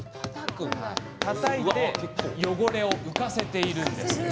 たたいて汚れを浮かせているんです。